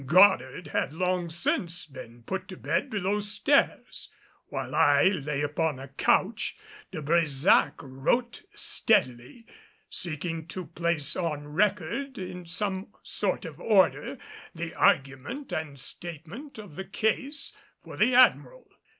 Goddard had long since been put to bed below stairs. While I lay upon a couch, De Brésac wrote steadily; seeking to place on record, in some sort of order, the argument and statement of the case for the Admiral.